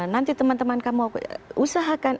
nanti teman teman kamu usahakan